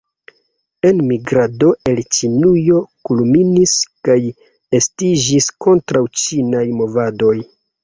Enmigrado el Ĉinujo kulminis kaj estiĝis kontraŭ-ĉinaj movadoj.